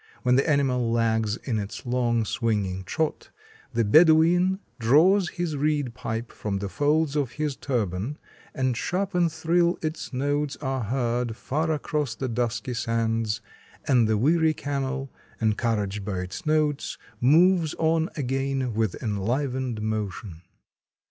When the animal lags in its long swinging trot, the Bedouin draws his reed pipe from the folds of his turban and sharp and shrill its notes are heard far across the dusky sands, and the weary camel, encouraged by its notes, moves on again with enlivened motion.